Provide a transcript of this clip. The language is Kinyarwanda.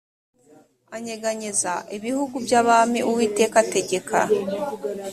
anyeganyeza ibihugu by abami uwiteka ategeka